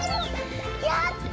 やった！